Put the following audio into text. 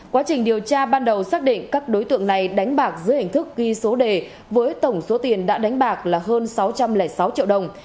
quá trình điều tra ban đầu xác định các đối tượng này đánh bạc dưới hình thức ghi số đề với tổng số tiền đã đánh bạc là hơn sáu trăm linh sáu triệu đồng